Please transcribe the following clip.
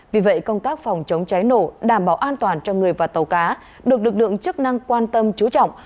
vì vậy công tác phòng chống cháy nổ đảm bảo an toàn cho người và tàu cá được lực lượng chức năng quan tâm chú trọng